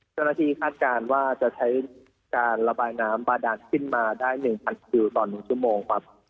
คาดการณ์ว่าจะใช้การระบายน้ำบาดานขึ้นมาได้๑๐๐คิวต่อ๑ชั่วโมงครับ